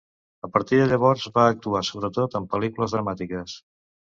A partir de llavors va actuar sobretot en pel·lícules dramàtiques.